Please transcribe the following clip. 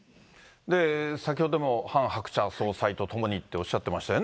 先ほどもハン・ハクチャ総裁と共にっておっしゃってましたよ